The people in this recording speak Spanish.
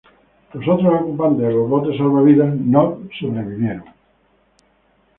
Los otros ocupantes de los botes salvavidas no sobrevivieron.